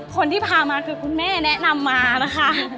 คนที่พามาคือคุณแม่แนะนำมานะคะ